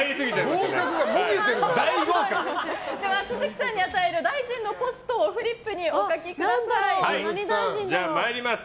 都築さんに与える大臣のポストをフリップにお書きください。